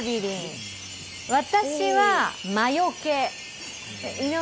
私は魔よけ。